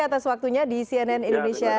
atas waktunya di cnn indonesia